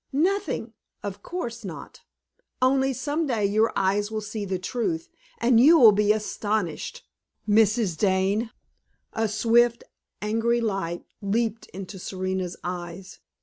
"Nothing of course not. Only some day your eyes will see the truth, and you will be astonished, Mrs. Dane!" A swift, angry light leaped into Serena's eyes.